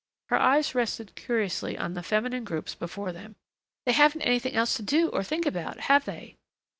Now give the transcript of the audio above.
Her eyes rested curiously on the feminine groups before them. "They haven't anything else to do or think about, have they?"